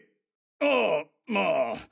ああまあ。